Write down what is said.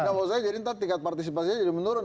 nggak usah jadi nanti tingkat partisipasinya jadi menurun